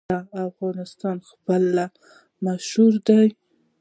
د افغانستان څپلۍ مشهورې دي